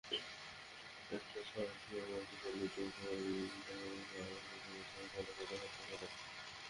এতে সাফিয়া মাটিতে লুটিয়ে পড়লে আয়নাল তাঁকে গলা কেটে হত্যা করেন।